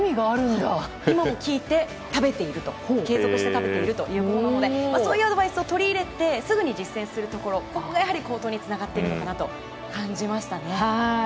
今も効いて食べているということなのでそういうアドバイスを取り入れてすぐに実践するところが好投につながっているんだと感じましたね。